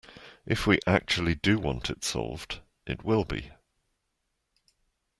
If we actually do want it solved, it will be.